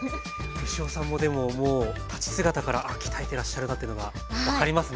牛尾さんもでももう立ち姿からあっ鍛えてらっしゃるなというのが分かりますね。